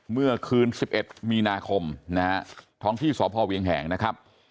เมื่อคืน๑๑มีนาคมนะฮะท้องที่สพเวียงแหงนะครับ